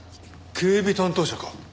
警備担当者か。